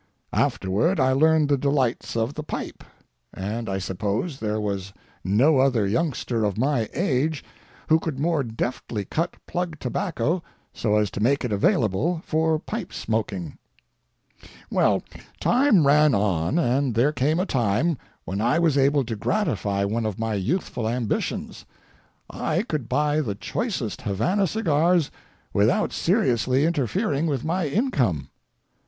Afterward I learned the delights of the pipe, and I suppose there was no other youngster of my age who could more deftly cut plug tobacco so as to make it available for pipe smoking. Well, time ran on, and there came a time when I was able to gratify one of my youthful ambitions—I could buy the choicest Havana cigars without seriously interfering with my income.